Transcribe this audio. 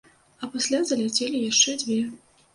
А пасля заляцелі яшчэ дзве.